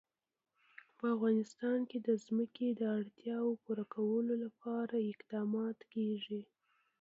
په افغانستان کې د ځمکه د اړتیاوو پوره کولو لپاره اقدامات کېږي.